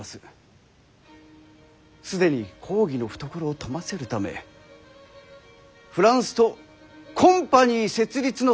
既に公儀の懐を富ませるためフランスとコンパニー設立の策を練っております。